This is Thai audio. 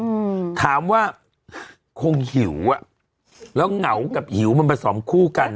อืมถามว่าคงหิวอ่ะแล้วเหงากับหิวมันผสมคู่กัน